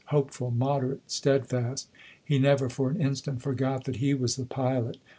Hopeful, moderate, steadfast, he never for an instant forgot that he was the pilot, not the ship.